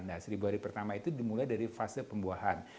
nah seribu hari pertama itu dimulai dari fase pembuahan